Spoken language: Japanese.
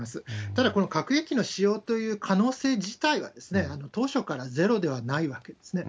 ただ、この核兵器の使用という可能性自体は、当初からゼロではないわけですね。